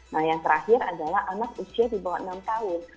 nah yang terakhir adalah anak usia di bawah enam tahun